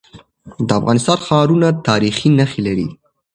د افغانستان ښارونه تاریخي نښي لري.